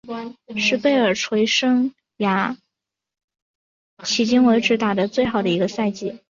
是贝尔垂生涯迄今为止打得最好的一个赛季。